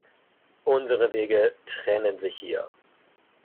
Unsere Wege trennen sich hier.